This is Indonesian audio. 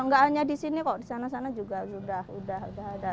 nggak hanya di sini kok di sana sana juga sudah ada